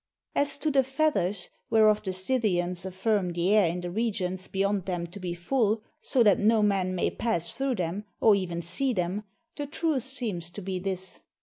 As to the feathers, whereof the Scythians affirm the air in the regions beyond them to be full, so that no man may pass through them, or even see them, the truth seems to be this.